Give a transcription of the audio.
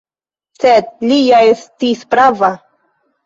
Sed li ja estis prava.